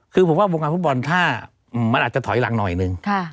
คือผมว่าวงการฟุตบอลถ้ามันอาจจะถอยหลังหน่อยนึง